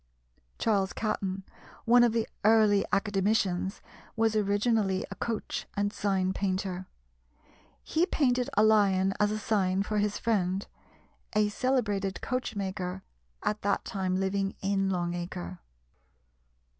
Charles Catton, one of the early Academicians, was originally a coach and sign painter. He painted a lion as a sign for his friend, a celebrated coachmaker, at that time living in Long Acre.